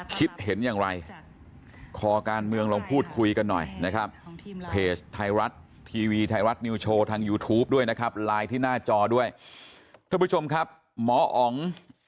ขอบคุณครับหมออ๋อง